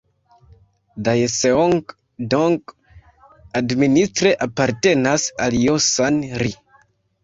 Daeseong-dong administre apartenas al Josan-ri.